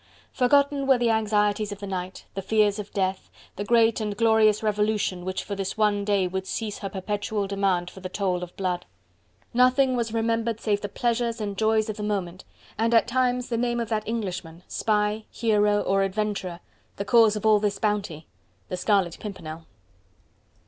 Forgotten were the anxieties of the night, the fears of death, the great and glorious Revolution, which for this one day would cease her perpetual demand for the toll of blood. Nothing was remembered save the pleasures and joys of the moment, and at times the name of that Englishman spy, hero or adventurer the cause of all this bounty: the Scarlet Pimpernel.